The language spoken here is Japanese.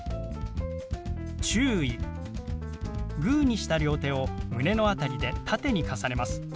グーにした両手を胸の辺りで縦に重ねます。